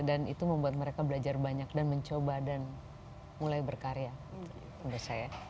dan itu membuat mereka belajar banyak dan mencoba dan mulai berkarya menurut saya